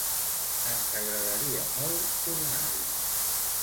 Ens agradaria molt tornar-hi!